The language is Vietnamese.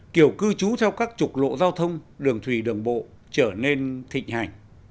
kiểu cư trú theo các trục lộ giao thông đường thủy đường bộ trở nên thịnh hành